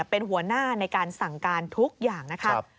เป็นหัวหน้าในการสั่งการทุกอย่างนะครับ